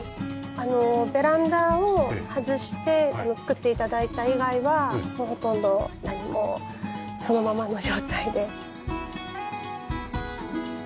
あのベランダを外して造って頂いた以外はもうほとんど何もそのままの状態で。